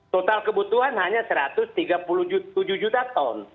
total kebutuhan hanya satu ratus tiga puluh tujuh juta ton